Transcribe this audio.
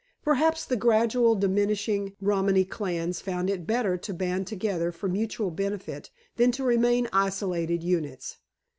Perhaps the gradually diminishing Romany clans found it better to band together for mutual benefit than to remain isolated units.